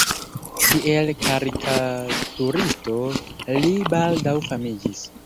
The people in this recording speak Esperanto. Kiel karikaturisto li baldaŭ famiĝis.